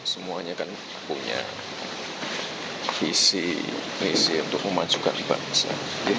semuanya kan punya visi misi untuk memajukan bangsa